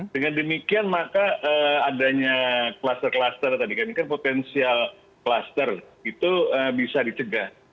dengan demikian maka adanya kluster kluster tadi kan ini kan potensial kluster itu bisa dicegah